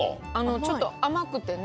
ちょっと甘くてね。